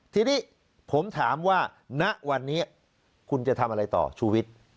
ทีนี้ผมถามว่าณวันนี้คุณจะทำอะไรต่อชูวิทย์